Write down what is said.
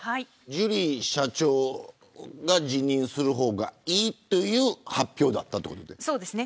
ジュリー社長が辞任する方がいいという発表だったということで。